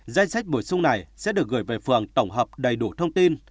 danh sách bổ sung này sẽ được gửi về phường tổng hợp đầy đủ thông tin